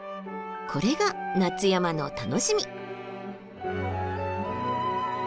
これが夏山の楽しみ！